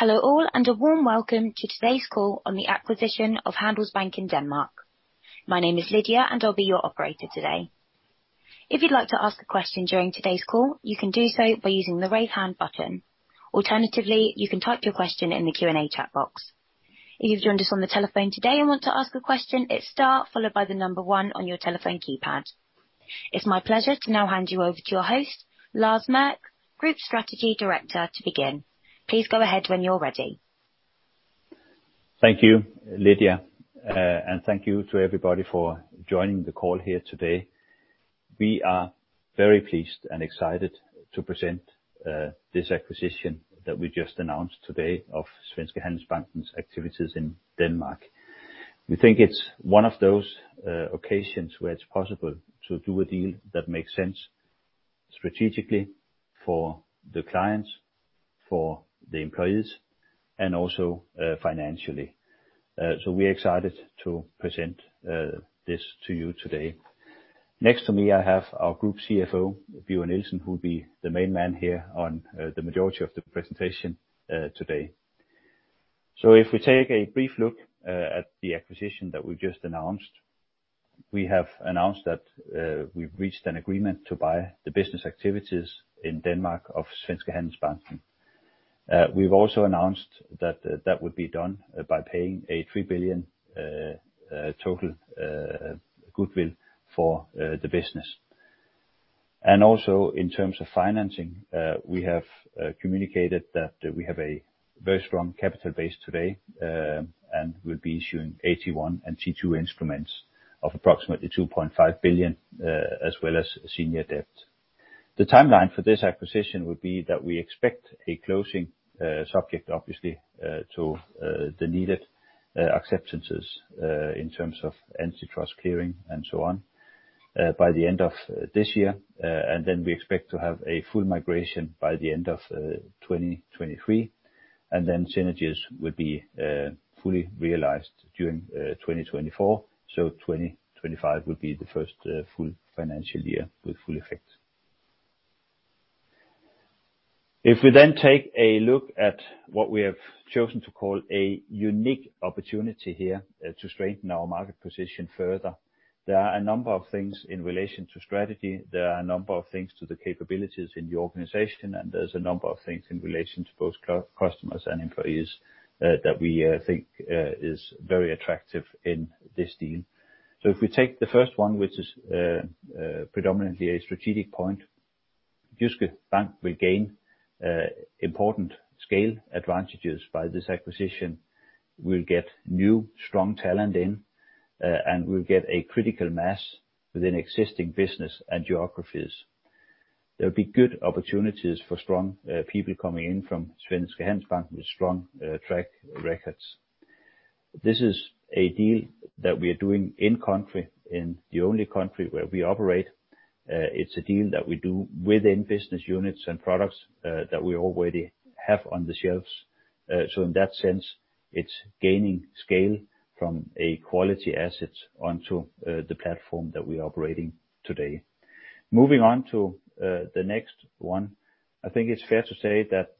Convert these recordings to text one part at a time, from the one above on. Hello all, and a warm welcome to today's call on the acquisition of Handelsbanken Danmark. My name is Lydia, and I'll be your operator today. If you'd like to ask a question during today's call, you can do so by using the raise hand button. Alternatively, you can type your question in the Q&A chat box. If you've joined us on the telephone today and want to ask a question, hit star followed by the number one on your telephone keypad. It's my pleasure to now hand you over to your host, Lars Mørch, Group Strategy Director to begin. Please go ahead when you're ready. Thank you, Lydia, and thank you to everybody for joining the call here today. We are very pleased and excited to present this acquisition that we just announced today of Svenska Handelsbanken's activities in Denmark. We think it's one of those occasions where it's possible to do a deal that makes sense strategically for the clients, for the employees and also financially. We're excited to present this to you today. Next to me, I have our Group CFO, Birger Krøgh Nielsen, who'll be the main man here on the majority of the presentation today. If we take a brief look at the acquisition that we just announced. We have announced that we've reached an agreement to buy the business activities in Denmark of Svenska Handelsbanken. We've also announced that would be done by paying three billion total goodwill for the business. Also in terms of financing, we have communicated that we have a very strong capital base today, and we'll be issuing AT1 and Tier 2 instruments of approximately 2.5 billion, as well as senior debt. The timeline for this acquisition would be that we expect a closing, subject, obviously, to the needed acceptances in terms of antitrust clearing and so on, by the end of this year. Then we expect to have a full migration by the end of 2023, and then synergies will be fully realized during 2024. 2025 will be the first full financial year with full effect. If we then take a look at what we have chosen to call a unique opportunity here to strengthen our market position further. There are a number of things in relation to strategy. There are a number of things to the capabilities in the organization, and there's a number of things in relation to both customers and employees that we think is very attractive in this deal. If we take the first one, which is predominantly a strategic point. Jyske Bank will gain important scale advantages by this acquisition. We'll get new strong talent in and we'll get a critical mass within existing business and geographies. There'll be good opportunities for strong people coming in from Svenska Handelsbanken with strong track records. This is a deal that we are doing in-country, in the only country where we operate. It's a deal that we do within business units and products that we already have on the shelves. In that sense, it's gaining scale from a quality asset onto the platform that we're operating today. Moving on to the next one. I think it's fair to say that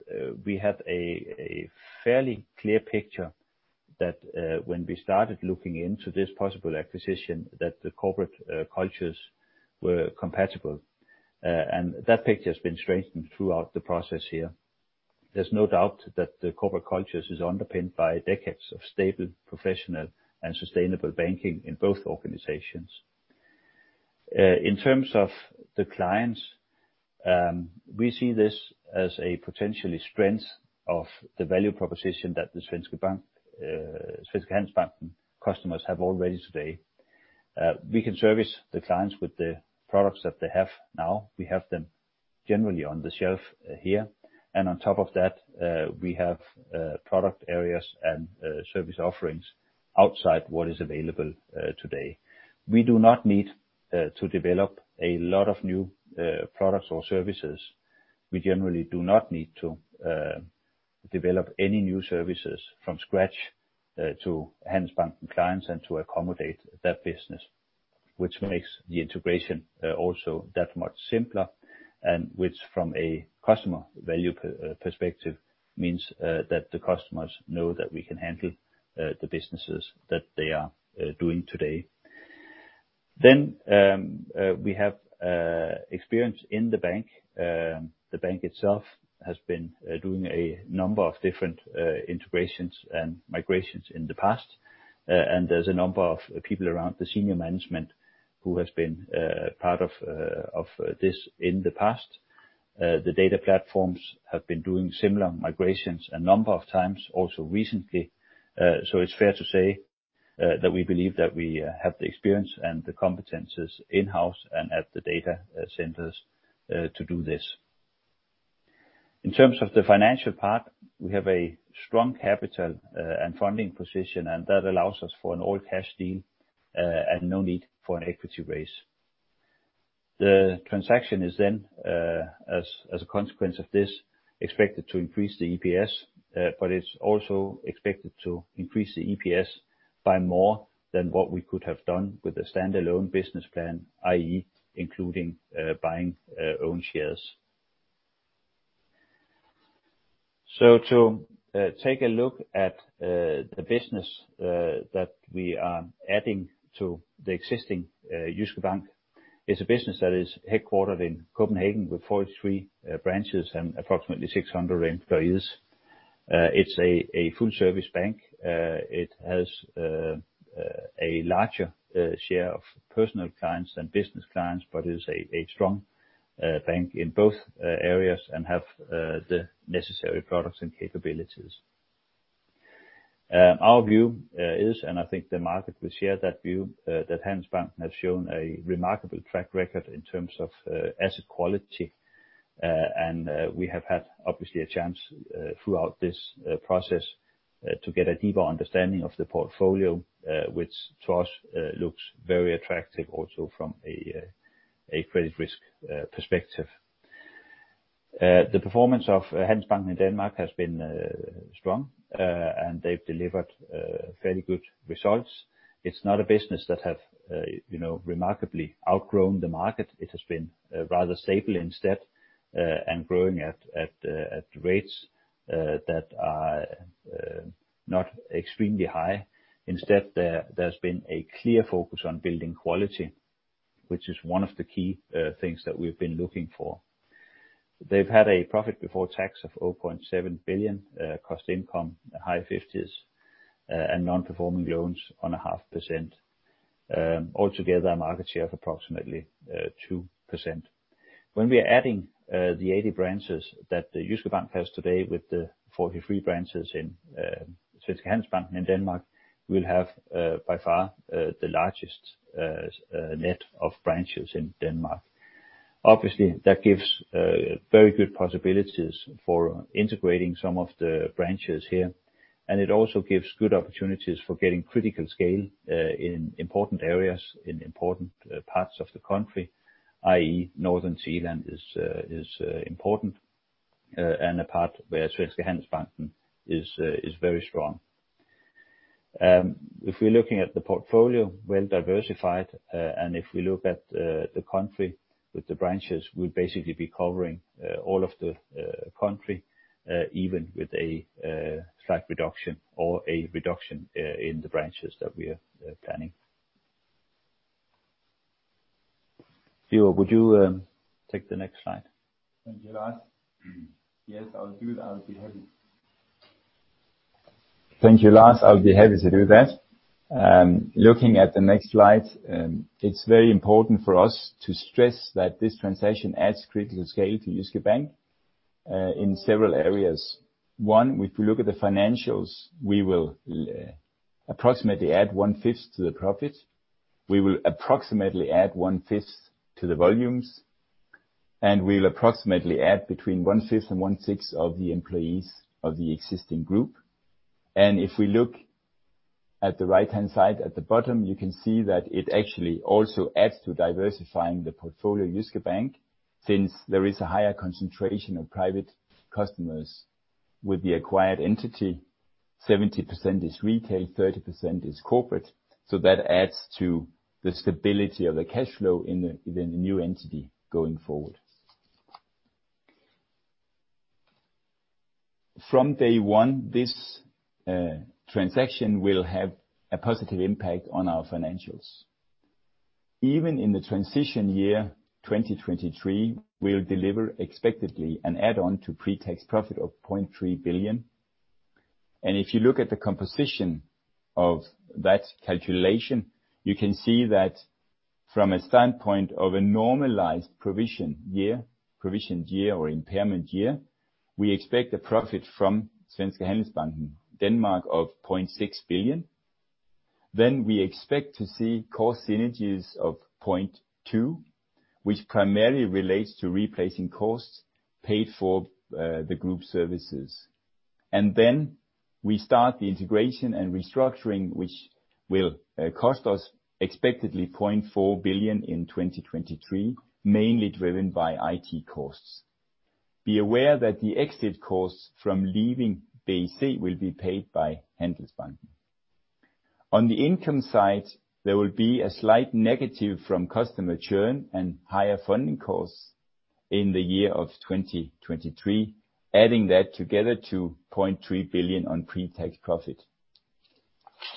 we had a fairly clear picture that when we started looking into this possible acquisition that the corporate cultures were compatible, and that picture has been strengthened throughout the process here. There's no doubt that the corporate cultures is underpinned by decades of stable, professional and sustainable banking in both organizations. In terms of the clients, we see this as a potential strength of the value proposition that the Svenska Handelsbanken customers have already today. We can service the clients with the products that they have now. We have them generally on the shelf here. On top of that, we have product areas and service offerings outside what is available today. We do not need to develop a lot of new products or services. We generally do not need to develop any new services from scratch to Handelsbanken clients and to accommodate that business, which makes the integration also that much simpler, and which from a customer value perspective, means that the customers know that we can handle the businesses that they are doing today. We have experience in the bank. The bank itself has been doing a number of different integrations and migrations in the past. There's a number of people around the senior management who has been part of this in the past. The data platforms have been doing similar migrations a number of times also recently. It's fair to say that we believe that we have the experience and the competencies in-house and at the data centers to do this. In terms of the financial part, we have a strong capital and funding position and that allows us for an all-cash deal and no need for an equity raise. The transaction is as a consequence of this expected to increase the EPS, but it's also expected to increase the EPS by more than what we could have done with a standalone business plan, i.e. including buying own shares. To take a look at the business that we are adding to the existing Jyske Bank is a business that is headquartered in Copenhagen with 43 branches and approximately 600 employees. It's a full-service bank. It has a larger share of personal clients than business clients, but is a strong bank in both areas and have the necessary products and capabilities. Our view is, and I think the market will share that view, that Handelsbanken has shown a remarkable track record in terms of asset quality. We have had obviously a chance throughout this process to get a deeper understanding of the portfolio, which to us looks very attractive also from a credit risk perspective. The performance of Handelsbanken in Denmark has been strong, and they've delivered very good results. It's not a business that have you know remarkably outgrown the market. It has been rather stable instead, and growing at rates that are not extremely high. Instead, there's been a clear focus on building quality, which is one of the key things that we've been looking for. They've had a profit before tax of 0.7 billion, cost-income high 50s%, and non-performing loans at 0.5%. Altogether, a market share of approximately 2%. When we are adding the 80 branches that the Jyske Bank has today with the 43 branches in Svenska Handelsbanken in Denmark, we'll have by far the largest network of branches in Denmark. Obviously, that gives very good possibilities for integrating some of the branches here, and it also gives good opportunities for getting critical scale in important areas, in important parts of the country, i.e. northern Zealand is important, and a part where Svenska Handelsbanken is very strong. If we're looking at the portfolio, well-diversified. If we look at the country with the branches, we'd basically be covering all of the country even with a slight reduction or a reduction in the branches that we are planning. Theo, would you take the next slide? Thank you, Lars. Yes, I'll be happy to do that. Looking at the next slide, it's very important for us to stress that this transaction adds critical scale to Jyske Bank in several areas. One, if we look at the financials, we will approximately add one-fifth to the profit. We will approximately add one-fifth to the volumes, and we'll approximately add between one-fifth and one-sixth of the employees of the existing group. If we look at the right-hand side at the bottom, you can see that it actually also adds to diversifying the portfolio of Jyske Bank, since there is a higher concentration of private customers with the acquired entity. 70% is retail, 30% is corporate. That adds to the stability of the cash flow in the new entity going forward. From day one, this transaction will have a positive impact on our financials. Even in the transition year, 2023, we'll deliver expectedly an add-on to pre-tax profit of 0.3 billion. If you look at the composition of that calculation, you can see that from a standpoint of a normalized provision year, provisioned year or impairment year, we expect a profit from Svenska Handelsbanken Danmark of 0.6 billion. We expect to see cost synergies of 0.2 billion, which primarily relates to replacing costs paid for the group services. We start the integration and restructuring, which will cost us expectedly 0.4 billion in 2023, mainly driven by IT costs. Be aware that the exit costs from leaving BEC will be paid by Handelsbanken. On the income side, there will be a slight negative from customer churn and higher funding costs in the year of 2023, adding that together to 0.3 billion on pre-tax profit.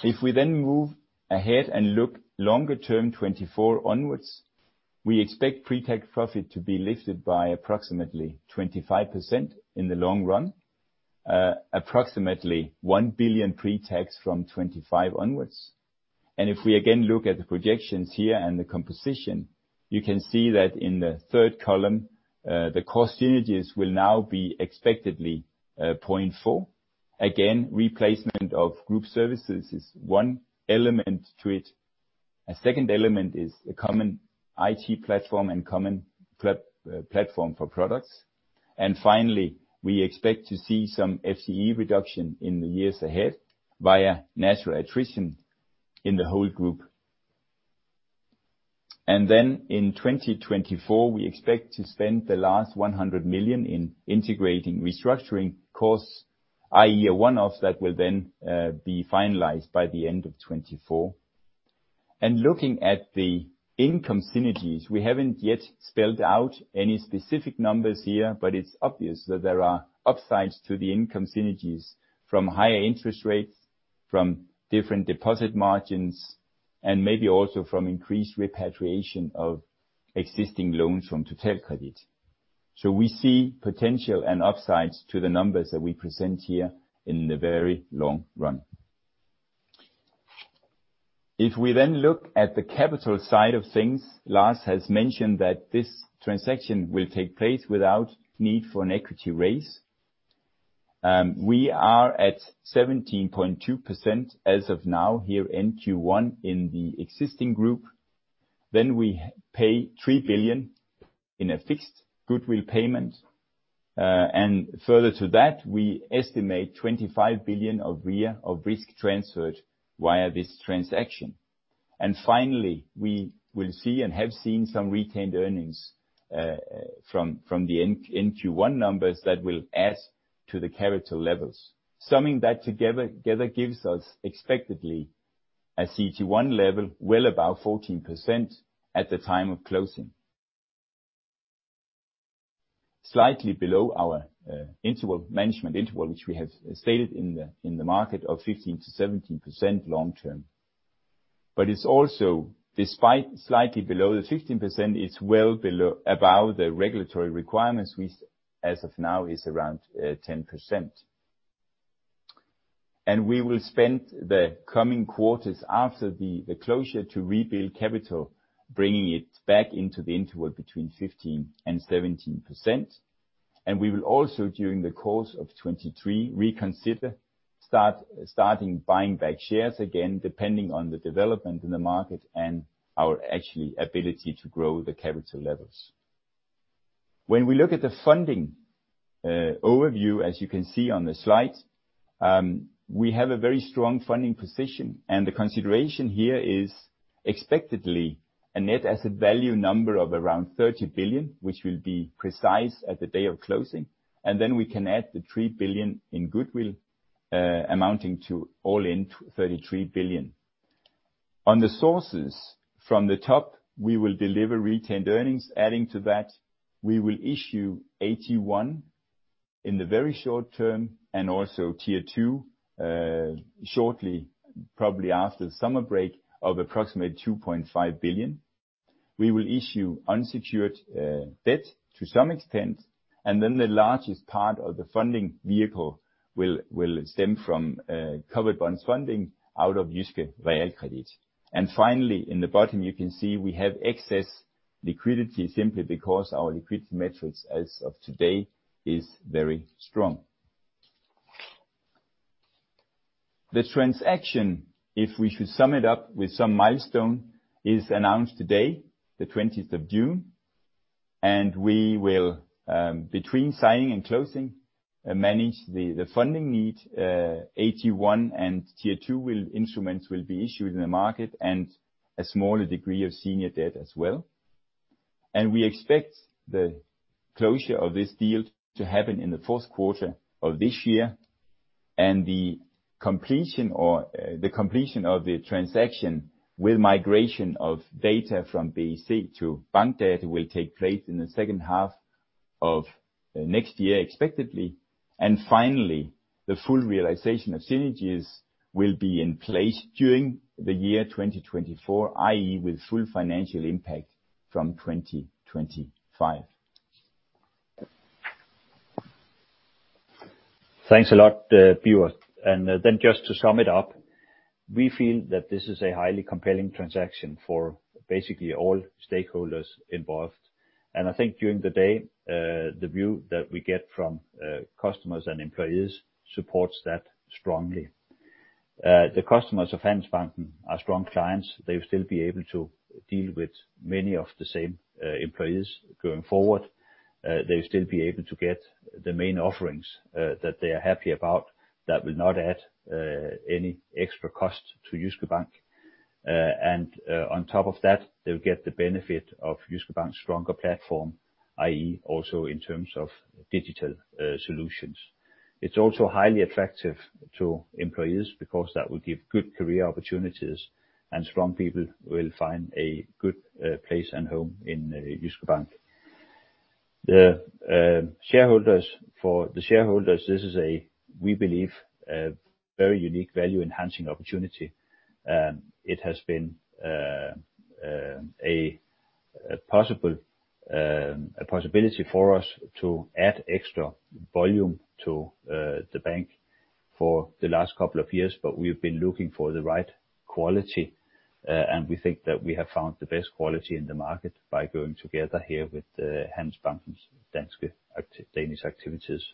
If we then move ahead and look longer-term, 2024 onwards, we expect pre-tax profit to be lifted by approximately 25% in the long run. Approximately 1 billion pre-tax from 2025 onwards. If we again look at the projections here and the composition, you can see that in the third column, the cost synergies will now be expectedly 0.4. Again, replacement of group services is one element to it. A second element is a common IT platform and common platform for products. Finally, we expect to see some FTE reduction in the years ahead via natural attrition in the whole group. In 2024, we expect to spend the last 100 million in integrating restructuring costs, i.e. one-offs that will then be finalized by the end of 2024. Looking at the income synergies, we haven't yet spelled out any specific numbers here, but it's obvious that there are upsides to the income synergies from higher interest rates, from different deposit margins, and maybe also from increased repatriation of existing loans from Totalkredit. We see potential and upsides to the numbers that we present here in the very long run. If we then look at the capital side of things, Lars has mentioned that this transaction will take place without need for an equity raise. We are at 17.2% as of now here in Q1 in the existing group. We pay 3 billion in a fixed goodwill payment. Further to that, we estimate 25 billion of risk transferred via this transaction. Finally, we will see and have seen some retained earnings from the end-Q1 numbers that will add to the capital levels. Summing that together gives us expectedly a CET1 level well above 14% at the time of closing. Slightly below our interval, management interval, which we have stated in the market of 15%-17% long-term. It's also, despite slightly below the 15%, it's well above the regulatory requirements which as of now is around 10%. We will spend the coming quarters after the closure to rebuild capital, bringing it back into the interval between 15%-17%. We will also during the course of 2023, reconsider starting buying back shares again, depending on the development in the market and our actually ability to grow the capital levels. When we look at the funding overview, as you can see on the slide, we have a very strong funding position, and the consideration here is expectedly a net asset value number of around 30 billion, which will be precise at the day of closing. We can add the 3 billion in goodwill, amounting to all in 33 billion. On the sources from the top, we will deliver retained earnings. Adding to that, we will issue AT1 in the very short term and also tier two shortly, probably after the summer break, of approximately 2.5 billion. We will issue unsecured debt to some extent, and then the largest part of the funding vehicle will stem from covered bonds funding out of Jyske Realkredit. Finally, in the bottom, you can see we have excess liquidity simply because our liquidity metrics as of today is very strong. The transaction, if we should sum it up with some milestone, is announced today, the twentieth of June, and we will between signing and closing manage the funding need. AT1 and tier two instruments will be issued in the market and a smaller degree of senior debt as well. We expect the closure of this deal to happen in the fourth quarter of this year. The completion of the transaction with migration of data from BEC to Bankdata will take place in the second half of next year, expectedly. Finally, the full realization of synergies will be in place during the year 2024, i.e., with full financial impact from 2025. Thanks a lot, Birger. Then just to sum it up, we feel that this is a highly compelling transaction for basically all stakeholders involved. I think during the day, the view that we get from customers and employees supports that strongly. The customers of Handelsbanken are strong clients. They'll still be able to deal with many of the same employees going forward. They'll still be able to get the main offerings that they are happy about that will not add any extra cost to Jyske Bank. And on top of that, they'll get the benefit of Jyske Bank's stronger platform, i.e., also in terms of digital solutions. It's also highly attractive to employees because that will give good career opportunities and strong people will find a good place and home in Jyske Bank. For the shareholders, this is, we believe, a very unique value-enhancing opportunity. It has been a possibility for us to add extra volume to the bank for the last couple of years. We've been looking for the right quality, and we think that we have found the best quality in the market by going together here with Handelsbanken Danmark's Danish activities.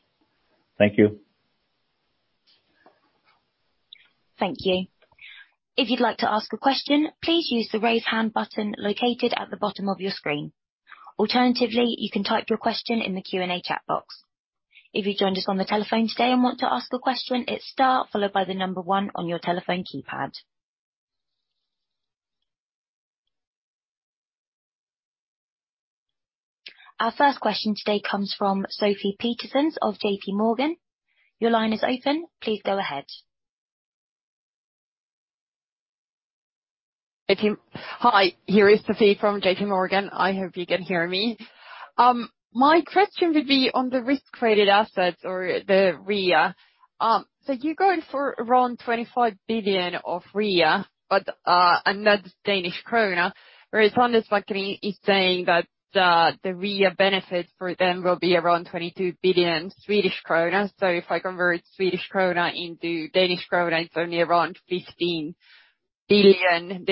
Thank you. Thank you. If you'd like to ask a question, please use the raise hand button located at the bottom of your screen. Alternatively, you can type your question in the Q&A chat box. If you joined us on the telephone today and want to ask a question, it's Star followed by the number one on your telephone keypad. Our first question today comes from Sofie Peterzens of Jorgan. Your line is open. Please go ahead. Hi, here is Sophie from JPMorgan. I hope you can hear me. My question would be on the risk-weighted assets or the RWA. You're going for around 25 billion of RWA, but and that's Danish kroner, whereas Handelsbanken is saying that the RWA benefit for them will be around 22 billion Swedish krona. If I convert Swedish krona into Danish krona, it's only around 15 billion Danish krone. Twenty-five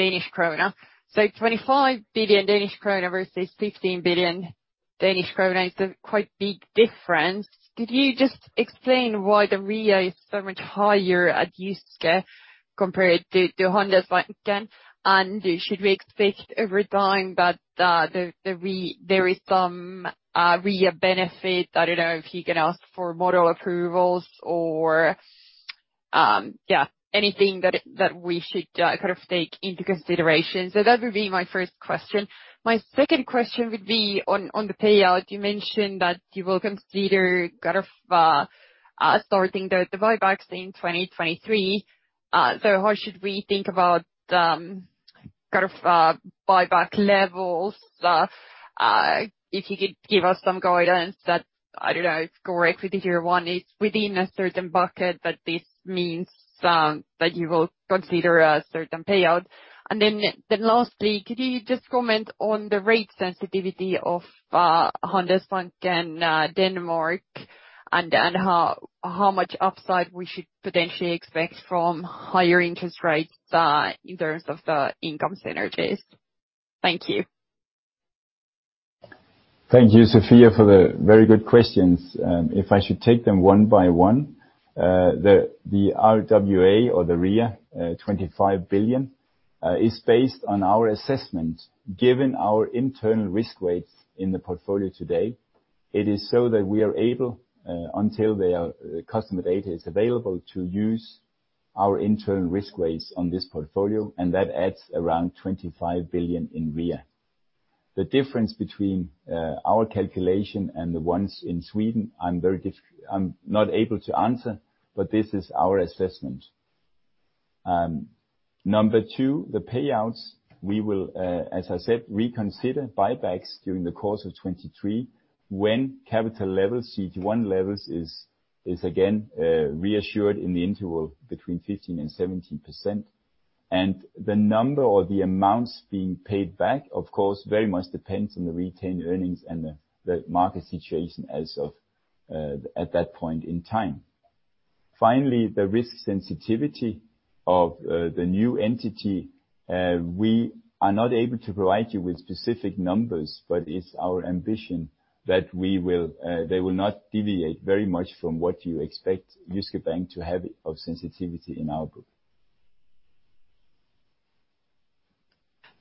billion Danish krona versus 16 billion Danish krone is a quite big difference. Could you just explain why the RWA is so much higher at Jyske compared to Handelsbanken? Should we expect over time that there is some RWA benefit? I don't know if you can ask for model approvals or anything that we should kind of take into consideration. That would be my first question. My second question would be on the payout. You mentioned that you will consider starting the buybacks in 2023. How should we think about buyback levels? If you could give us some guidance that I don't know is correct with Tier 1 is within a certain bucket, but this means that you will consider a certain payout. Lastly, could you just comment on the rate sensitivity of Handelsbanken Danmark and how much upside we should potentially expect from higher interest rates in terms of the income synergies? Thank you. Thank you, Sofie, for the very good questions. If I should take them one by one. The RWA 25 billion is based on our assessment given our internal risk weights in the portfolio today. It is so that we are able until their customer data is available to use our internal risk weights on this portfolio, and that adds around 25 billion in RWA. The difference between our calculation and the ones in Sweden, I'm not able to answer, but this is our assessment. Number two, the payouts. We will, as I said, reconsider buybacks during the course of 2023 when capital levels, CET1 levels is again reassured in the interval between 15%-17%. The number or the amounts being paid back of course very much depends on the retained earnings and the market situation as of at that point in time. Finally, the risk sensitivity of the new entity. We are not able to provide you with specific numbers, but it's our ambition that they will not deviate very much from what you expect Jyske Bank to have of sensitivity in our group.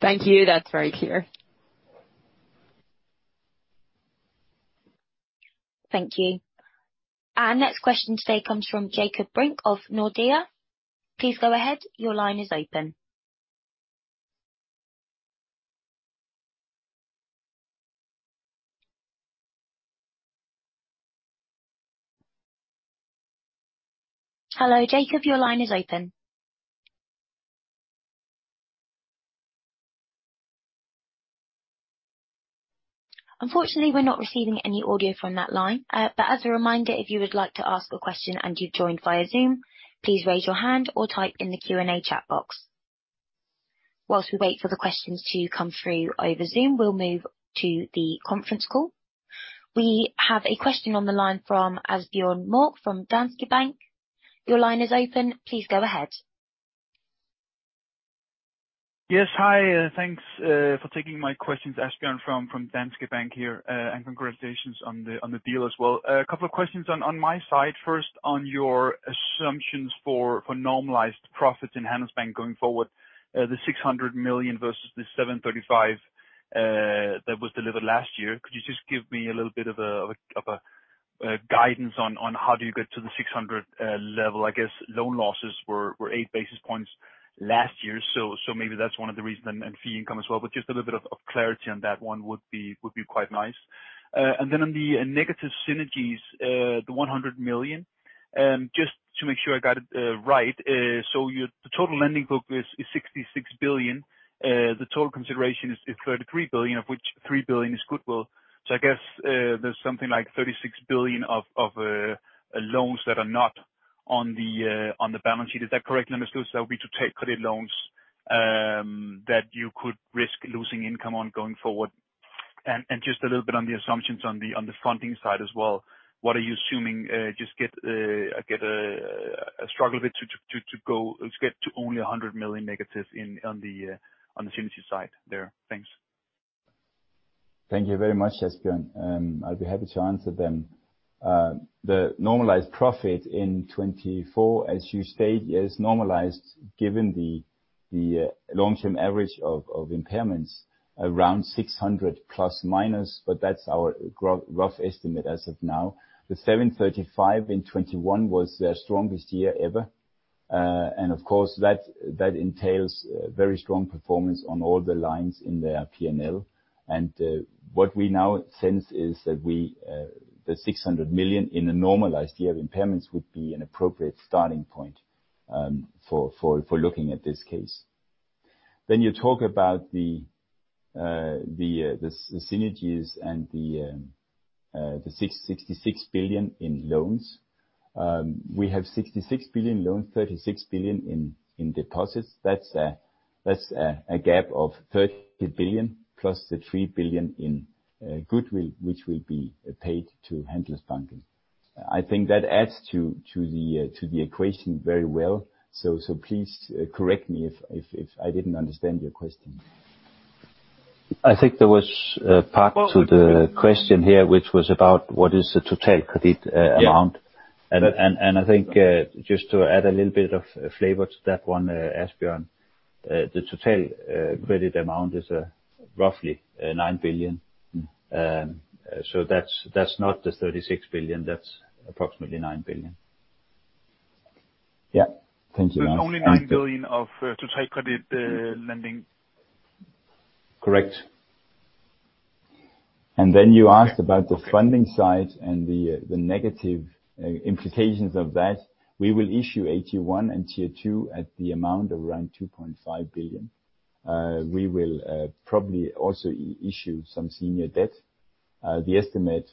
Thank you. That's very clear. Thank you. Our next question today comes from Jacob Brink of Nordea. Please go ahead. Your line is open. Hello, Jacob, your line is open. Unfortunately, we're not receiving any audio from that line. But as a reminder, if you would like to ask a question and you've joined via Zoom, please raise your hand or type in the Q&A chat box. While we wait for the questions to come through over Zoom, we'll move to the conference call. We have a question on the line from Asbjørn Mørk from Danske Bank. Your line is open. Please go ahead. Yes. Hi. Thanks for taking my questions. Asbjørn from Danske Bank here. Congratulations on the deal as well. A couple of questions on my side. First, on your assumptions for normalized profits in Handelsbanken going forward, the 600 million versus the 735 million that was delivered last year. Could you just give me a little bit of guidance on how do you get to the 600 million level? I guess loan losses were eight basis points last year, so maybe that's one of the reasons, and fee income as well, but just a little bit of clarity on that one would be quite nice. Then on the negative synergies, the 100 million. Just to make sure I got it right. The total lending book is 66 billion. The total consideration is 33 billion, of which 3 billion is goodwill. I guess there's something like 36 billion of loans that are not on the balance sheet. Is that correct, Anders? That would be to take credit loans that you could risk losing income on going forward. Just a little bit on the assumptions on the funding side as well. What are you assuming? It's just a struggle to get to only 100 million negative on the synergy side there. Thanks. Thank you very much, Asbjørn. I'll be happy to answer them. The normalized profit in 2024, as you state, is normalized given the long-term average of impairments around 600 ± million, but that's our rough estimate as of now. The 735 in 2021 was their strongest year ever. Of course, that entails very strong performance on all the lines in their P&L. What we now sense is that the 600 million in a normalized year of impairments would be an appropriate starting point for looking at this case. You talk about the synergies and the 66 billion in loans. We have 66 billion loans, 36 billion in deposits. That's a gap of 30 billion, plus the 3 billion in goodwill, which will be paid to Handelsbanken. I think that adds to the equation very well. Please correct me if I didn't understand your question. I think there was a part to the question here, which was about what is the total credit amount. Yeah. I think just to add a little bit of flavor to that one, Asbjørn, the total credit amount is roughly 9 billion. That's not the 36 billion. That's approximately 9 billion. Yeah. Thank you, Lars. Only 9 billion of total credit lending. Correct. You asked about the funding side and the negative implications of that. We will issue a AT1 and Tier 2 at the amount around 2.5 billion. We will probably also issue some senior debt. The estimate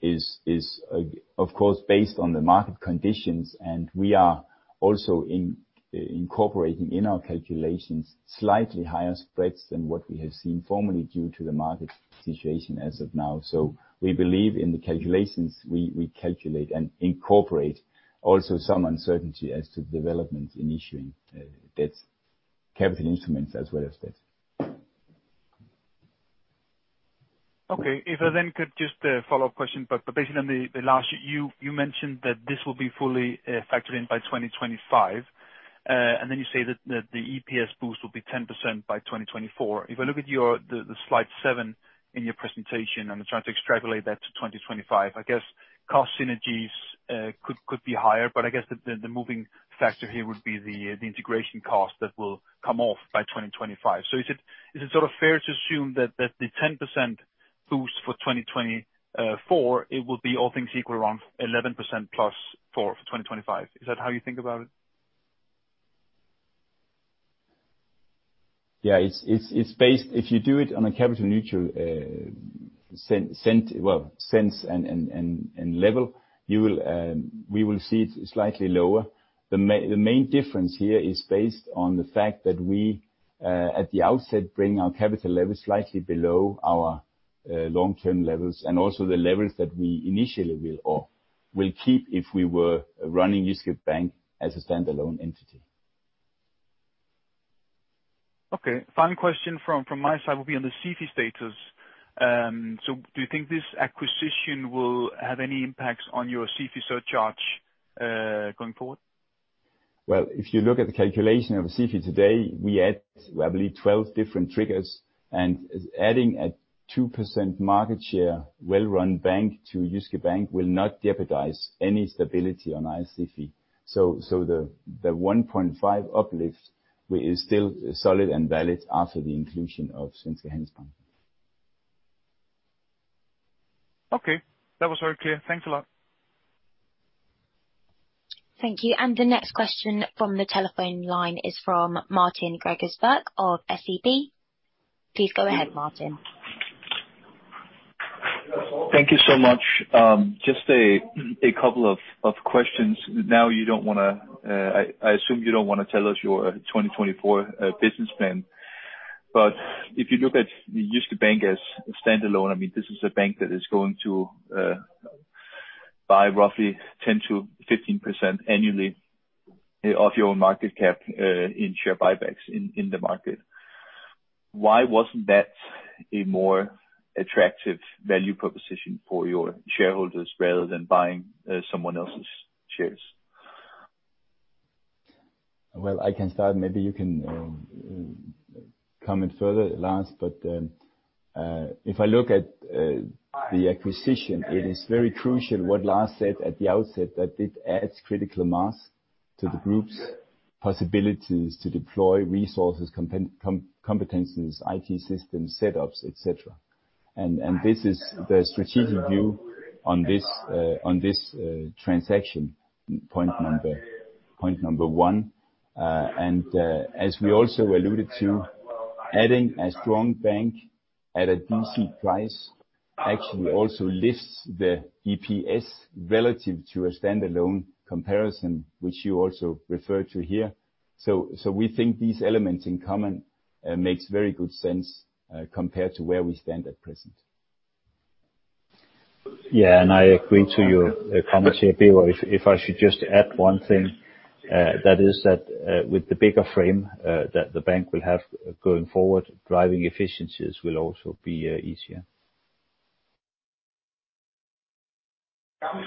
is, of course, based on the market conditions, and we are also incorporating in our calculations, slightly higher spreads than what we have seen formerly due to the market situation as of now. We believe in the calculations, we calculate and incorporate also some uncertainty as to the development in issuing debt, capital instruments as well as debt. Okay. If I then could just a follow-up question, but based on the last, you mentioned that this will be fully factored in by 2025, and then you say that the EPS boost will be 10% by 2024. If I look at the slide seven in your presentation, I'm trying to extrapolate that to 2025. I guess cost synergies could be higher, but I guess the moving factor here would be the integration cost that will come off by 2025. Is it sort of fair to assume that the 10% boost for 2024, it will be all things equal around 11%+ for 2025? Is that how you think about it? Yeah. It's based. If you do it on a capital neutral, sensible level, we will see it slightly lower. The main difference here is based on the fact that we, at the outset, bring our capital levels slightly below our long-term levels, and also the levels that we initially will or will keep if we were running Jyske Bank as a standalone entity. Okay. Final question from my side will be on the SIFI status. Do you think this acquisition will have any impacts on your SIFI surcharge going forward? Well, if you look at the calculation of a SIFI today, we add, I believe, 12 different triggers, and adding a 2% market share well-run bank to Jyske Bank will not jeopardize any stability on SIFI. The 1.5 uplift is still solid and valid after the inclusion of Svenska Handelsbanken. Okay. That was very clear. Thanks a lot. Thank you. The next question from the telephone line is from Martin Gregers Birk of SEB. Please go ahead, Martin. Thank you so much. Just a couple of questions. Now, I assume you don't wanna tell us your 2024 business plan. If you look at Jyske Bank as a standalone, I mean, this is a bank that is going to buy roughly 10%-15% annually of your market cap in share buybacks in the market. Why wasn't that a more attractive value proposition for your shareholders rather than buying someone else's shares? Well, I can start. Maybe you can comment further, Lars. If I look at the acquisition, it is very crucial what Lars said at the outset, that it adds critical mass to the group's possibilities to deploy resources, competencies, IT systems, setups, et cetera. This is the strategic view on this transaction, point number one. As we also alluded to, adding a strong bank at a decent price actually also lifts the EPS relative to a standalone comparison, which you also referred to here. We think these elements in common makes very good sense, compared to where we stand at present. Yeah. I agree to your comment here, Bjørn Lundgaard-Madsen. If I should just add one thing, that is that, with the bigger frame that the bank will have going forward, driving efficiencies will also be easier. I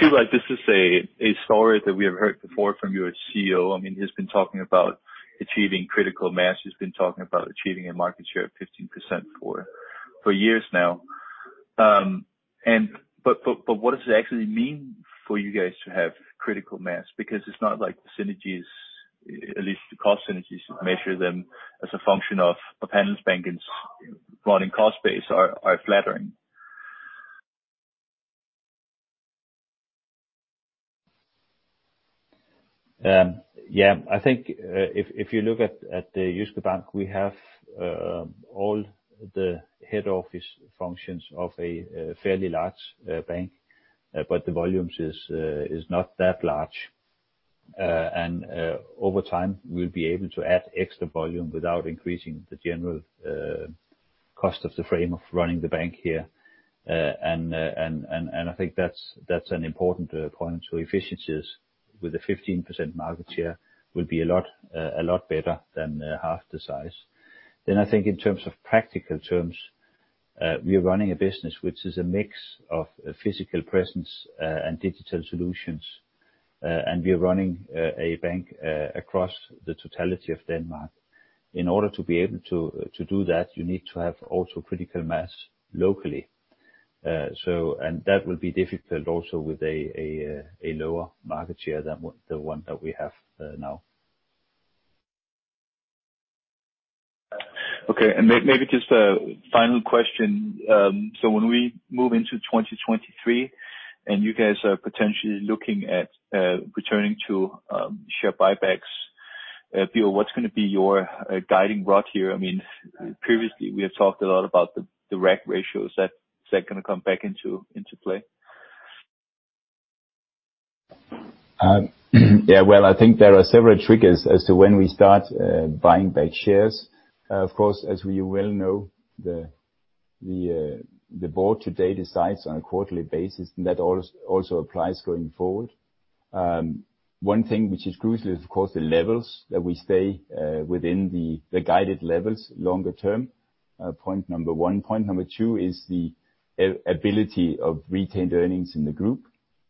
feel like this is a story that we have heard before from your CEO. I mean, he's been talking about achieving critical mass. He's been talking about achieving a market share of 15% for years now. What does it actually mean for you guys to have critical mass? Because it's not like the synergies, at least the cost synergies, measure them as a function of Handelsbanken's running cost base are flattering. Yeah. I think if you look at the Jyske Bank, we have all the head office functions of a fairly large bank, but the volumes is not that large. And I think that's an important point to efficiencies with a 15% market share will be a lot better than half the size. I think in terms of practical terms, we are running a business which is a mix of physical presence and digital solutions. We are running a bank across the totality of Denmark. In order to be able to do that, you need to have also critical mass locally. That will be difficult also with a lower market share than the one that we have now. Okay. Maybe just a final question. When we move into 2023, and you guys are potentially looking at returning to share buybacks, Bjørn Lundgaard-Madsen, what's gonna be your guiding rod here? I mean, previously we have talked a lot about the RAC ratios. Is that gonna come back into play? Yeah, well, I think there are several triggers as to when we start buying back shares. Of course, as we well know, the board today decides on a quarterly basis, and that also applies going forward. One thing which is crucial is of course the levels that we stay within the guided levels longer term, point number one. Point number two is the ability of retained earnings in the group,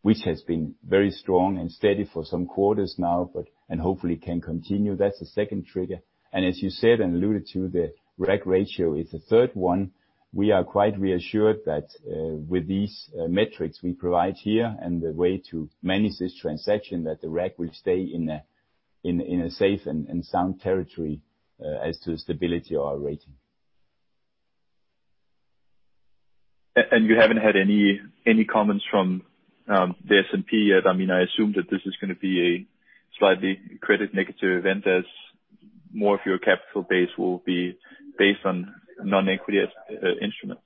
which has been very strong and steady for some quarters now, and hopefully can continue. That's the second trigger. As you said and alluded to, the RAC ratio is the third one. We are quite reassured that, with these metrics we provide here and the way to manage this transaction, that the RAC will stay in a safe and sound territory, as to the stability of our rating. You haven't had any comments from the S&P yet? I mean, I assume that this is gonna be a slightly credit negative event as more of your capital base will be based on non-equity instruments.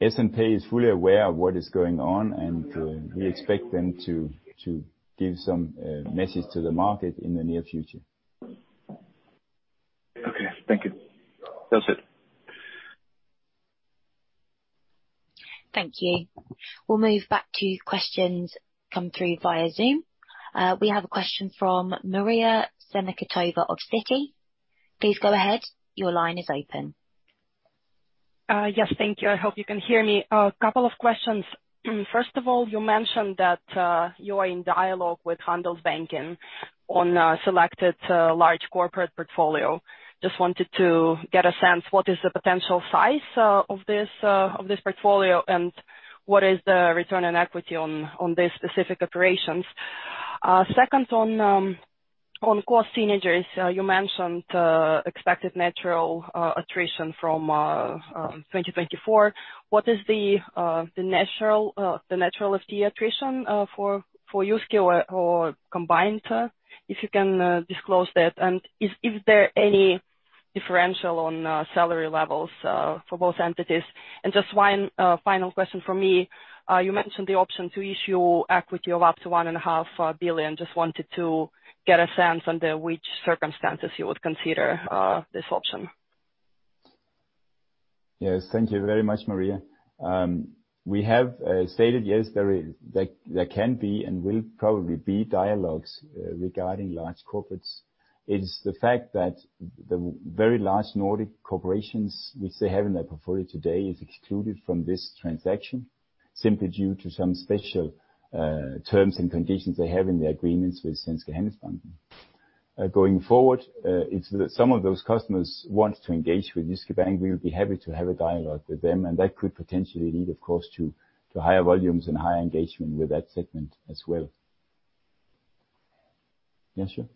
S&P is fully aware of what is going on, and we expect them to give some message to the market in the near future. Okay, thank you. That's it. Thank you. We'll move back to questions that come through via Zoom. We have a question from Maria Semikhatova of Citi. Please go ahead. Your line is open. Yes. Thank you. I hope you can hear me. A couple of questions. First of all, you mentioned that you are in dialogue with Handelsbanken on a selected large corporate portfolio. Just wanted to get a sense, what is the potential size of this portfolio, and what is the return on equity on this specific operations? Second, on cost synergies, you mentioned expected natural attrition from 2024. What is the natural FTE attrition for Jyske or combined? If you can disclose that. Is there any differential on salary levels for both entities? Just one final question from me. You mentioned the option to issue equity of up to 1.5 billion. Just wanted to get a sense under which circumstances you would consider this option? Yes, thank you very much, Maria. We have stated yes there can be and will probably be dialogues regarding large corporates. It's the fact that the very large Nordic corporations which they have in their portfolio today is excluded from this transaction, simply due to some special terms and conditions they have in the agreements with Svenska Handelsbanken. Going forward, if some of those customers want to engage with Jyske Bank, we would be happy to have a dialogue with them, and that could potentially lead, of course, to higher volumes and higher engagement with that segment as well. Jens Juul?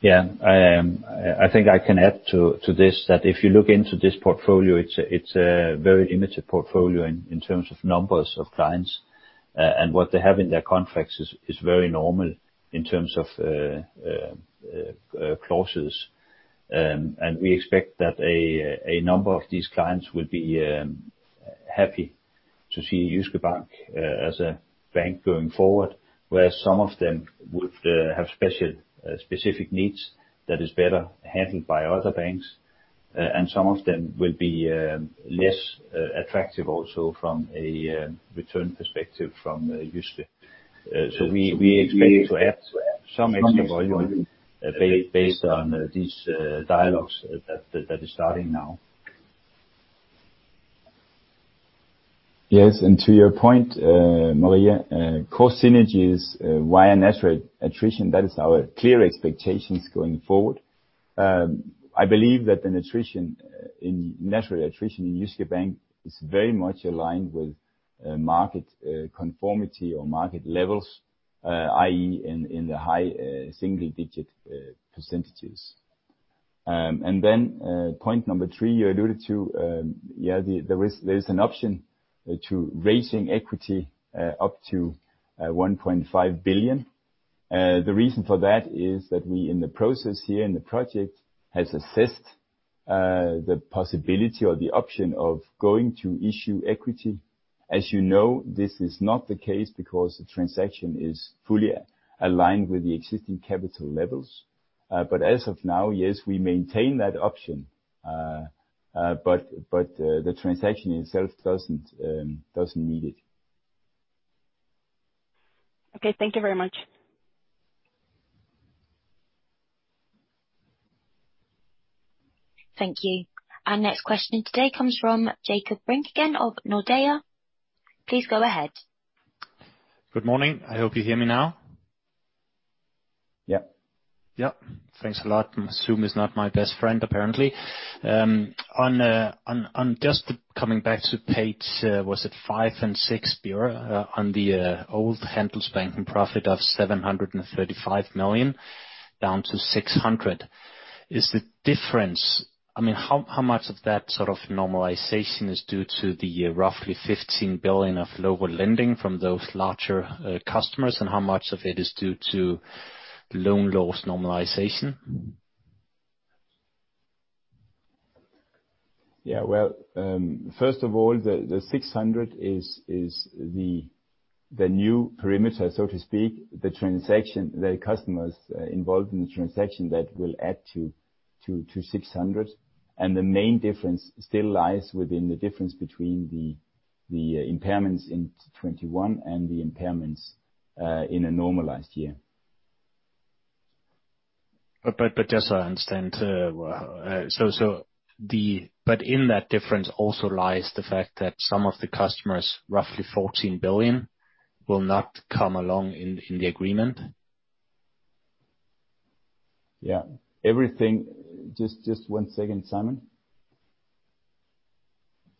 Yeah. I think I can add to this, that if you look into this portfolio, it's a very immature portfolio in terms of numbers of clients. What they have in their contracts is very normal in terms of clauses. We expect that a number of these clients will be happy to see Jyske Bank as a bank going forward, where some of them would have special specific needs that is better handled by other banks. Some of them will be less attractive also from a return perspective from Jyske. We expect it to add- Some extra volume, based on these dialogues that is starting now. Yes, to your point, Maria, cost synergies via natural attrition, that is our clear expectations going forward. I believe that the notion of natural attrition in Jyske Bank is very much aligned with market conformity or market levels, i.e., in the high single-digit percentages. Point number three you alluded to, there is an option to raising equity up to 1.5 billion. The reason for that is that we in the process here and the project has assessed the possibility or the option of going to issue equity. As you know, this is not the case because the transaction is fully aligned with the existing capital levels. As of now, yes, we maintain that option. The transaction itself doesn't need it. Okay. Thank you very much. Thank you. Our next question today comes from Jacob Brink again of Nordea. Please go ahead. Good morning. I hope you hear me now. Yeah. Yeah. Thanks a lot. Zoom is not my best friend, apparently. On just coming back to page, was it 5 and 6, Bjørn, on the old Handelsbanken profit of 735 million down to 600. Is the difference, I mean, how much of that sort of normalization is due to the roughly 15 billion of lower lending from those larger customers, and how much of it is due to loan loss normalization? Yeah. Well, first of all, the 600 is the new perimeter, so to speak, the customers involved in the transaction that will add to 600. The main difference still lies within the difference between the impairments in 2021 and the impairments in a normalized year. In that difference also lies the fact that some of the customers, roughly 14 billion, will not come along in the agreement. Yeah. Just one second, Simon.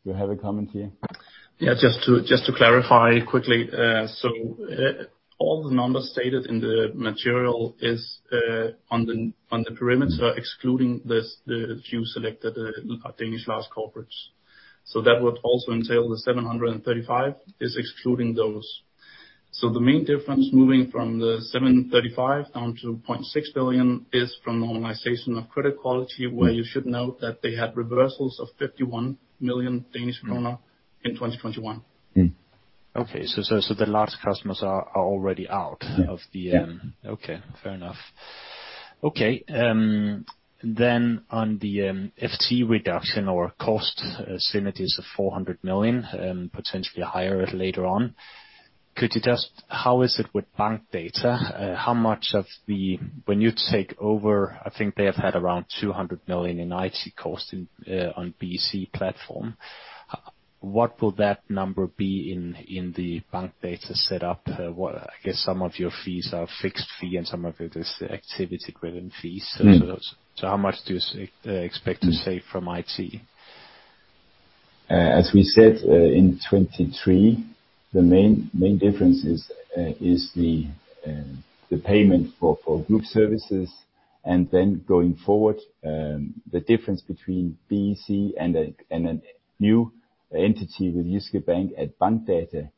Do you have a comment here? Yeah, just to clarify quickly. All the numbers stated in the material is on the parameters are excluding the few selected Danish large corporates. That would also entail the 735 is excluding those. The main difference moving from the 735 down to 0.6 billion is from normalization of credit quality, where you should note that they had reversals of 51 million Danish krone in 2021. Okay. The large customers are already out of the Yeah. Okay. Fair enough. On the FTE reduction or cost synergies of 400 million, potentially higher later on. How is it with Bankdata? When you take over, I think they have had around 200 million in IT cost in on BEC platform. What will that number be in the Bankdata set up? I guess some of your fees are fixed fee and some of it is activity-driven fees. Mm-hmm. How much do you expect to save from IT? As we said, in 2023, the main difference is the payment for group services. Going forward, the difference between BEC and a new entity with Jyske Bank and Bankdata,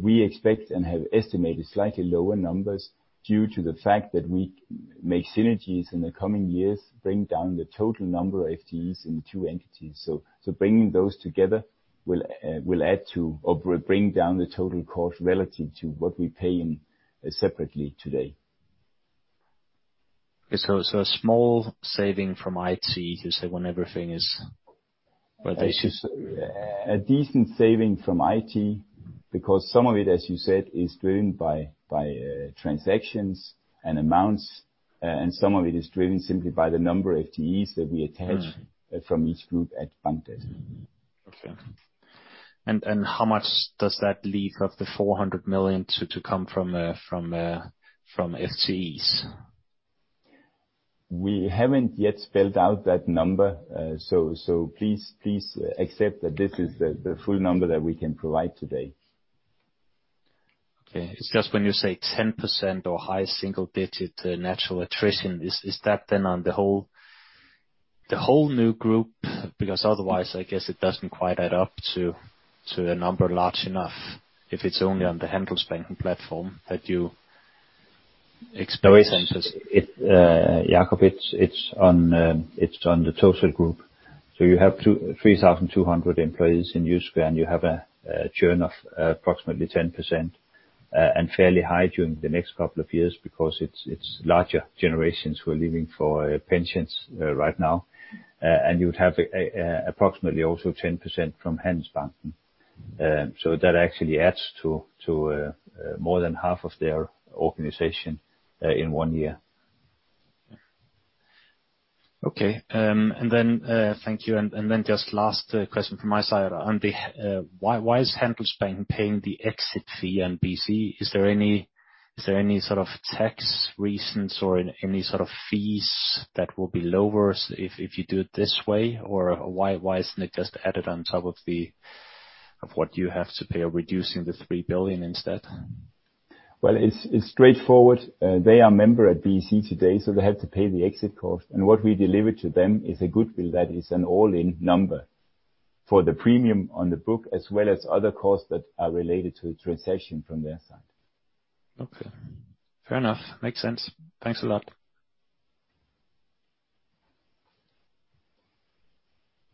we expect and have estimated slightly lower numbers due to the fact that we make synergies in the coming years bring down the total number of FTEs in the two entities. Bringing those together will add to or bring down the total cost relative to what we pay in separately today. Okay. A small saving from IT, you say when everything is. A decent saving from IT because some of it, as you said, is driven by transactions and amounts, and some of it is driven simply by the number of FTEs that we attach- Mm. from each group at Bankdata. How much does that leave of the 400 million to come from FTEs? We haven't yet spelled out that number. Please accept that this is the full number that we can provide today. It's just when you say 10% or high single-digit natural attrition, is that then on the whole new group? Because otherwise I guess it doesn't quite add up to a number large enough if it's only on the Handelsbanken platform that you expose. Jacob, it's on the total group. You have 2,300 employees in Jyske, and you have a churn of approximately 10%, and fairly high during the next couple of years because it's larger generations who are leaving for pensions right now. You would have approximately also 10% from Handelsbanken. That actually adds to more than half of their organization in one year. Okay. Thank you. Just last question from my side. Why is Handelsbanken paying the exit fee and BEC? Is there any sort of tax reasons or any sort of fees that will be lower if you do it this way? Or why isn't it just added on top of what you have to pay, reducing the 3 billion instead? Well, it's straightforward. They are a member at BEC today, so they have to pay the exit cost. What we deliver to them is a goodwill that is an all-in number for the premium on the book, as well as other costs that are related to the transaction from their side. Okay. Fair enough. Makes sense. Thanks a lot.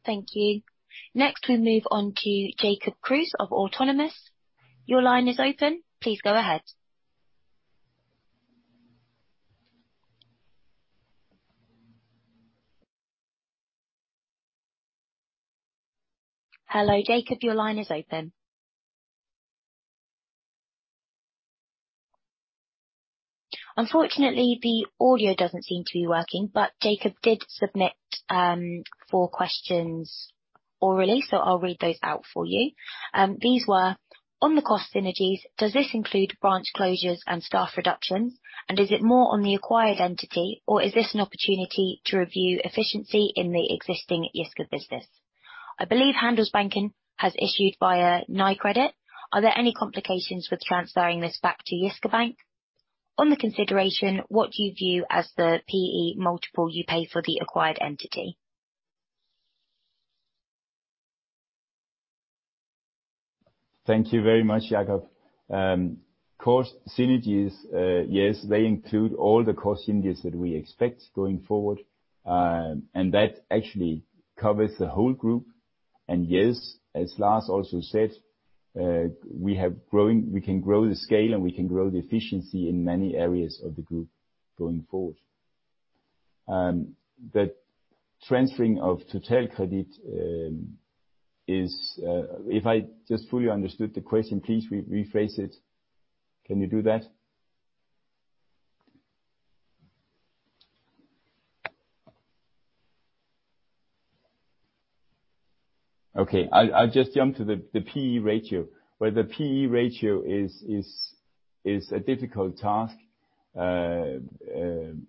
Thank you. Next, we move on to Jacob Kruse of Autonomous Research. Your line is open. Please go ahead. Hello, Jacob, your line is open. Unfortunately, the audio doesn't seem to be working, but Jacob did submit four questions orally, so I'll read those out for you. These were, "On the cost synergies, does this include branch closures and staff reductions? And is it more on the acquired entity or is this an opportunity to review efficiency in the existing Jyske business? I believe Handelsbanken has issued via Nykredit. Are there any complications with transferring this back to Jyske Bank? On the consideration, what do you view as the PE multiple you pay for the acquired entity? Thank you very much, Jacob. Cost synergies, yes, they include all the cost synergies that we expect going forward. That actually covers the whole group. Yes, as Lars also said, we can grow the scale, and we can grow the efficiency in many areas of the group going forward. The transferring of Totalkredit is. If I just fully understood the question, please rephrase it. Can you do that? Okay. I'll just jump to the PE ratio, where the PE ratio is a difficult task. If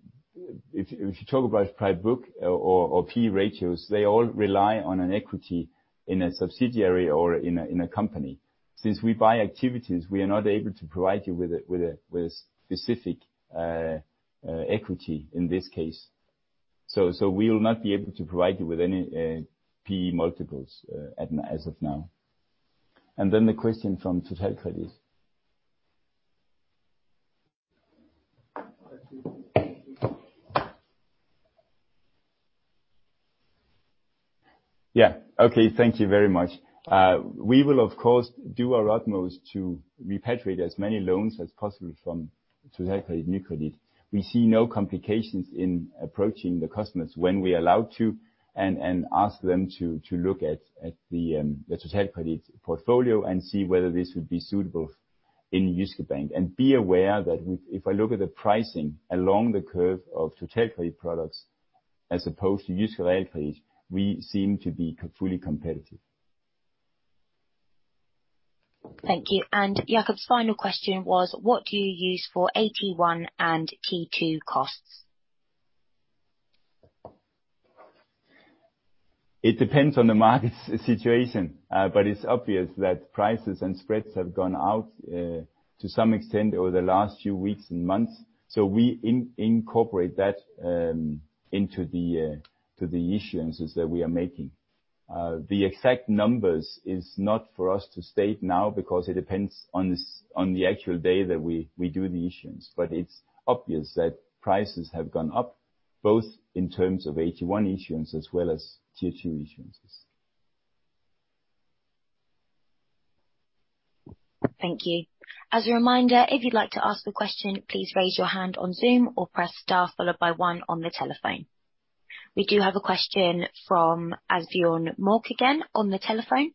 you talk about price-to-book or PE ratios, they all rely on an equity in a subsidiary or in a company. Since we buy activities, we are not able to provide you with a specific equity in this case. We will not be able to provide you with any PE multiples as of now. Then the question from Totalkredit. Yeah. Okay. Thank you very much. We will, of course, do our utmost to repatriate as many loans as possible from Totalkredit/Nykredit. We see no complications in approaching the customers when we are allowed to and ask them to look at the Totalkredit portfolio and see whether this would be suitable in Jyske Bank. Be aware that we, if I look at the pricing along the curve of Totalkredit products as opposed to Jyske Realkredit, we seem to be completely competitive. Thank you. Jacob's final question was, what do you use for AT1 and T2 costs? It depends on the market situation, but it's obvious that prices and spreads have gone out to some extent over the last few weeks and months. We incorporate that into the issuances that we are making. The exact numbers is not for us to state now because it depends on the actual day that we do the issuance. It's obvious that prices have gone up, both in terms of AT1 issuance as well as T2 issuances. Thank you. As a reminder, if you'd like to ask a question, please raise your hand on Zoom or press star followed by one on the telephone. We do have a question from Asbjørn Mørk again on the telephone.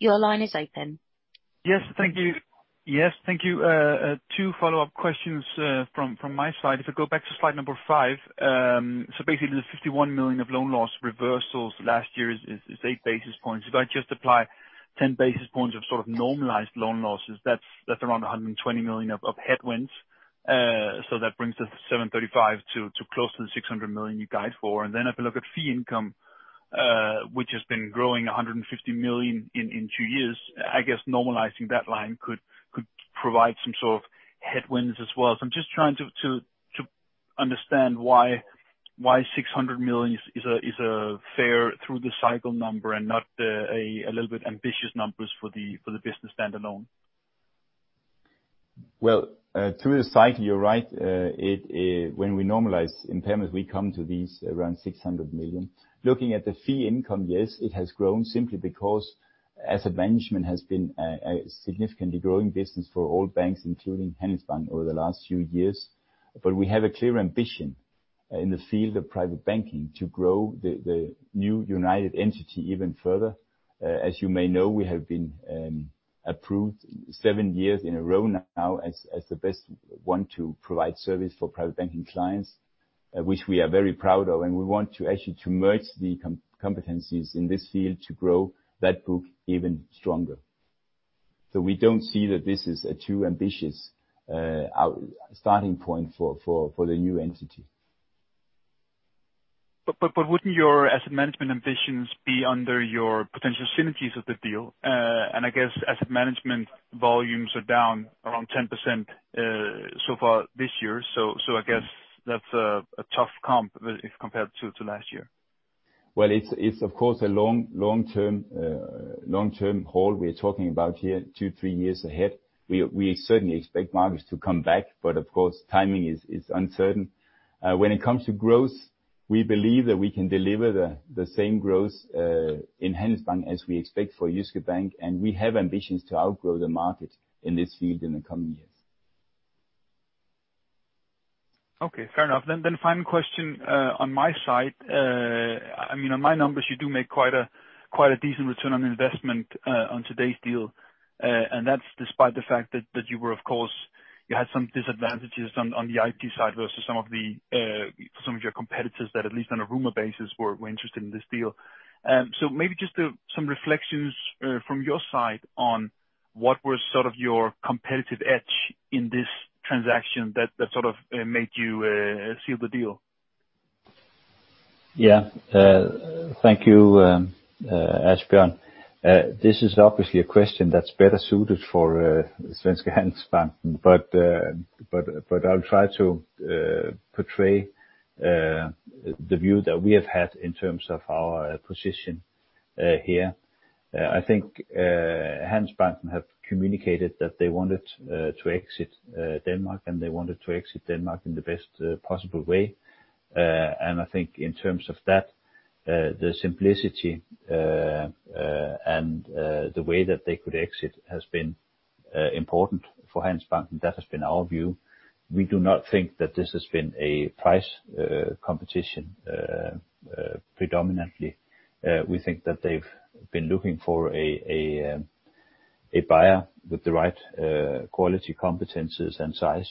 Your line is open. Yes. Thank you. Two follow-up questions from my side. If I go back to slide number five, so basically the 51 million of loan loss reversals last year is 8 basis points. If I just apply 10 basis points of sort of normalized loan losses, that's around 120 million of headwinds. So that brings us 735 to close to the 600 million you guide for. Then if I look at fee income, which has been growing 150 million in two years, I guess normalizing that line could provide some sort of headwinds as well. I'm just trying to understand why 600 million is a fair through the cycle number and not a little bit ambitious numbers for the business standalone? Well, through the cycle, you're right. When we normalize impairments, we come to these around 600 million. Looking at the fee income, yes, it has grown simply because asset management has been a significantly growing business for all banks, including Handelsbanken over the last few years. We have a clear ambition in the field of private banking to grow the new united entity even further. As you may know, we have been approved seven years in a row now as the best one to provide service for private banking clients, which we are very proud of, and we want to actually merge the competencies in this field to grow that book even stronger. We don't see that this is a too ambitious starting point for the new entity. Wouldn't your asset management ambitions be under your potential synergies of the deal? I guess asset management volumes are down around 10%, so far this year. I guess that's a tough comp if compared to last year. Well, it's of course a long-term haul we're talking about here, two, three years ahead. We certainly expect markets to come back, but of course, timing is uncertain. When it comes to growth, we believe that we can deliver the same growth in Handelsbanken as we expect for Jyske Bank, and we have ambitions to outgrow the market in this field in the coming years. Okay, fair enough. Final question on my side. I mean, on my numbers, you do make quite a decent return on investment on today's deal. That's despite the fact that you were of course. You had some disadvantages on the IT side versus some of your competitors that at least on a rumor basis were interested in this deal. Maybe some reflections from your side on what was sort of your competitive edge in this transaction that sort of made you seal the deal. Yeah. Thank you, Asbjørn. This is obviously a question that's better suited for Svenska Handelsbanken. I'll try to portray the view that we have had in terms of our position here. I think Handelsbanken have communicated that they wanted to exit Denmark, and they wanted to exit Denmark in the best possible way. I think in terms of that, the simplicity and the way that they could exit has been important for Handelsbanken. That has been our view. We do not think that this has been a price competition predominantly. We think that they've been looking for a buyer with the right quality, competencies and size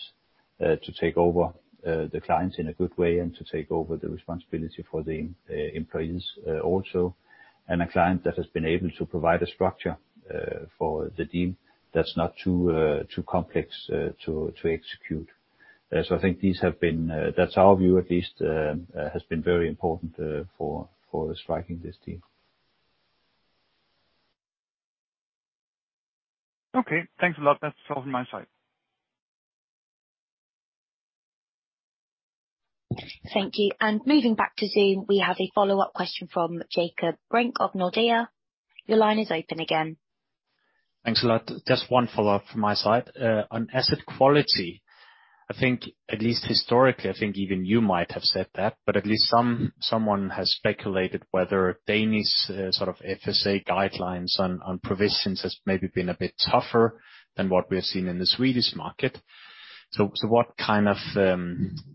to take over the clients in a good way and to take over the responsibility for the employees also, and a client that has been able to provide a structure for the deal that's not too complex to execute. I think these have been, that's our view at least, very important for striking this deal. Okay, thanks a lot. That's all from my side. Thank you. Moving back to Zoom, we have a follow-up question from Jacob Brink of Nordea. Your line is open again. Thanks a lot. Just one follow-up from my side. On asset quality, I think at least historically, I think even you might have said that, but at least someone has speculated whether Danish sort of FSA guidelines on provisions has maybe been a bit tougher than what we're seeing in the Swedish market. What kind of,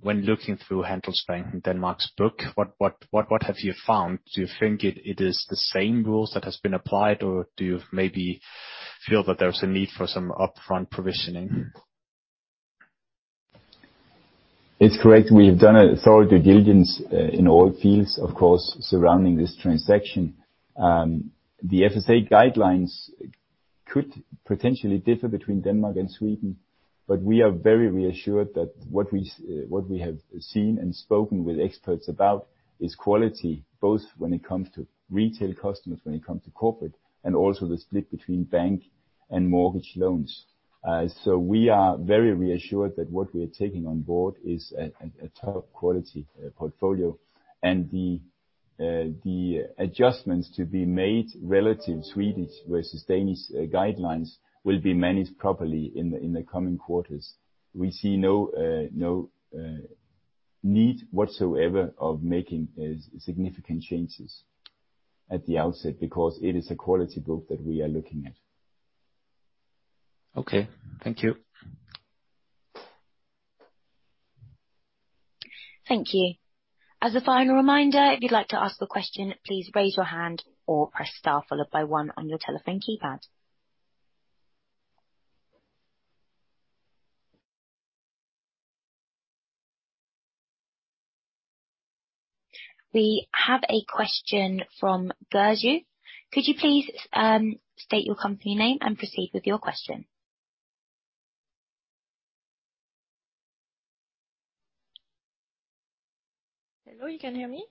when looking through Handelsbanken Danmark's book, what have you found? Do you think it is the same rules that has been applied, or do you maybe feel that there's a need for some upfront provisioning? It's correct. We've done a thorough due diligence in all fields, of course, surrounding this transaction. The FSA guidelines could potentially differ between Denmark and Sweden, but we are very reassured that what we have seen and spoken with experts about is quality, both when it comes to retail customers, when it comes to corporate, and also the split between bank and mortgage loans. We are very reassured that what we are taking on board is a top quality portfolio. The adjustments to be made relative to Swedish versus Danish guidelines will be managed properly in the coming quarters. We see no need whatsoever of making significant changes at the outset because it is a quality book that we are looking at. Okay. Thank you. Thank you. As a final reminder, if you'd like to ask a question, please raise your hand or press star followed by one on your telephone keypad. We have a question from Adia Berju. Could you please state your company name and proceed with your question? Hello, you can hear me?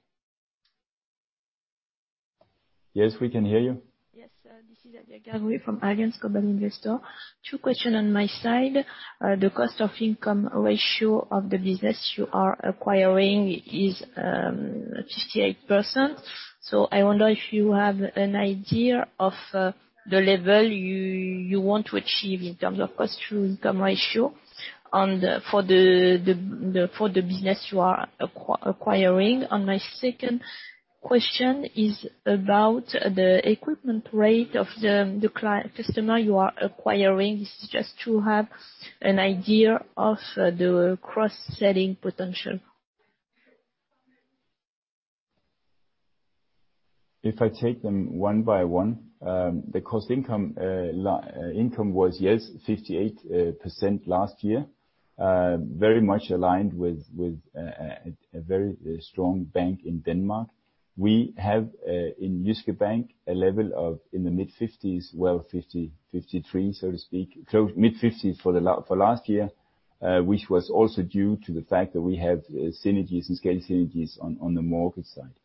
Yes, we can hear you. Yes, this is Adia Berju from AllianceBernstein. Two questions on my side. The cost-income ratio of the business you are acquiring is 58%. I wonder if you have an idea of the level you want to achieve in terms of cost-income ratio for the business you are acquiring. My second question is about the engagement rate of the clients you are acquiring. Just to have an idea of the cross-selling potential. If I take them one by one, the cost-income was, yes, 58% last year. Very much aligned with a very strong bank in Denmark. We have in Jyske Bank a level in the mid-fifties, well, 53, so to speak. Close, mid-fifties for last year, which was also due to the fact that we have synergies and scale synergies on the mortgage side.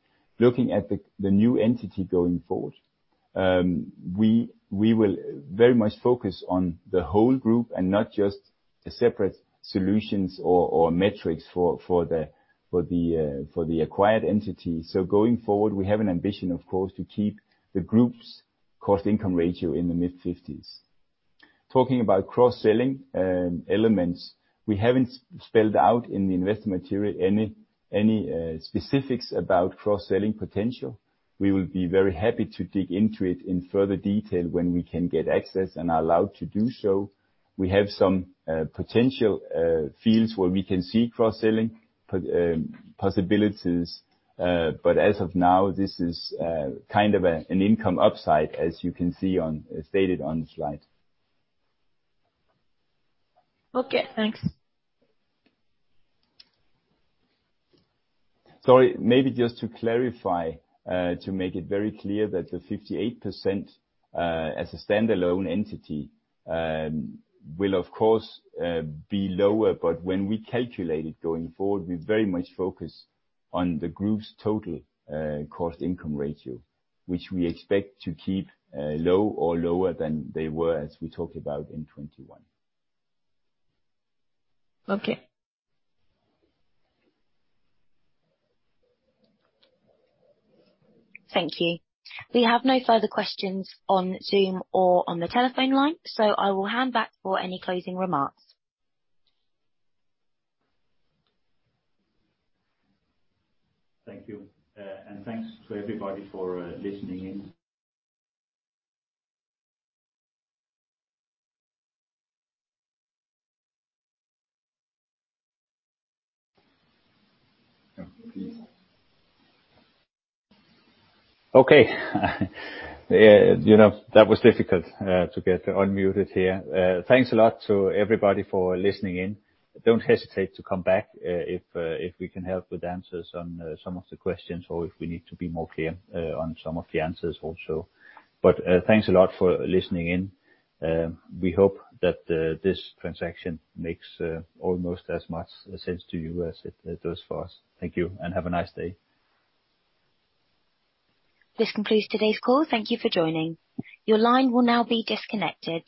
Looking at the new entity going forward, we will very much focus on the whole group and not just the separate solutions or metrics for the acquired entity. Going forward, we have an ambition, of course, to keep the group's cost-income ratio in the mid-fifties. Talking about cross-selling elements, we haven't spelled out in the investment material any specifics about cross-selling potential. We will be very happy to dig into it in further detail when we can get access and are allowed to do so. We have some potential fields where we can see cross-selling possibilities, but as of now, this is kind of an income upside as you can see, as stated on the slide. Okay, thanks. Sorry. Maybe just to clarify, to make it very clear that the 58%, as a standalone entity, will of course be lower, but when we calculate it going forward, we very much focus on the group's total cost-income ratio, which we expect to keep low or lower than they were, as we talked about in 2021. Okay. Thank you. We have no further questions on Zoom or on the telephone line, so I will hand back for any closing remarks. Thank you. Thanks to everybody for listening in. You know, that was difficult to get unmuted here. Thanks a lot to everybody for listening in. Don't hesitate to come back, if we can help with answers on some of the questions or if we need to be more clear on some of the answers also. Thanks a lot for listening in. We hope that this transaction makes almost as much sense to you as it does for us. Thank you, and have a nice day. This concludes today's call. Thank you for joining. Your line will now be disconnected.